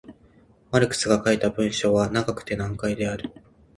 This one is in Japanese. マルクスが書いた文章は長くて難解である。